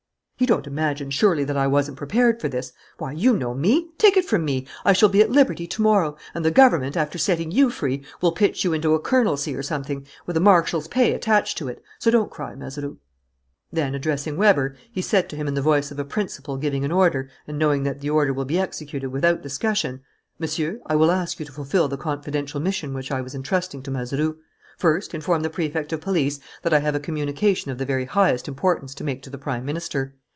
"You don't imagine, surely, that I wasn't prepared for this! Why, you know me! Take it from me: I shall be at liberty to morrow, and the government, after setting you free, will pitch you into a colonelcy or something, with a marshal's pay attached to it. So don't cry, Mazeroux." Then, addressing Weber, he said to him in the voice of a principal giving an order, and knowing that the order will be executed without discussion: "Monsieur, I will ask you to fulfil the confidential mission which I was entrusting to Mazeroux. First, inform the Prefect of Police that I have a communication of the very highest importance to make to the Prime Minister.